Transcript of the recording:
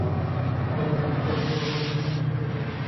পূজায় অর্চনায় সেবায় মাধুর্যের ফুল ফুটিয়া উঠিল।